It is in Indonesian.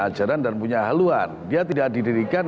ajaran dan punya haluan dia tidak didirikan